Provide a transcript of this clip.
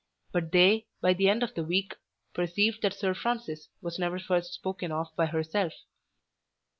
But they, by the end of the week, perceived that Sir Francis was never first spoken of by herself.